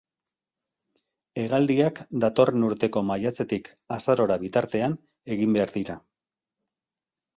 Hegaldiak datorren urteko maiatzetik azarora bitartean egin behar dira.